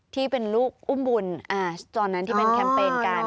ที่เป็นลูกอุ้มบุญตอนนั้นที่เป็นแคมเปญกัน